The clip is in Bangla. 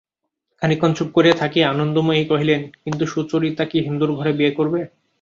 খানিকক্ষণ চুপ করিয়া থাকিয়া আনন্দময়ী কহিলেন, কিন্তু সুচরিতা কি হিন্দুর ঘরে বিয়ে করবে?